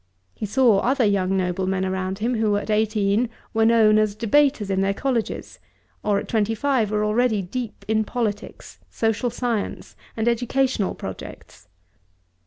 He saw other young noblemen around him who at eighteen were known as debaters at their colleges, or at twenty five were already deep in politics, social science, and educational projects.